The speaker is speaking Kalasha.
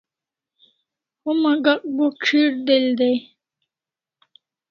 Homa Gak bo ch'ir del day